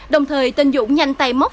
đồng thời tên dũng nhanh tay móc